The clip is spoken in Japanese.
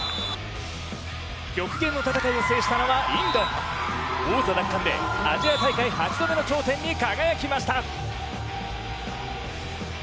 極限の戦いを制したのはインド王座奪還でアジア大会８度目の頂点に輝きました。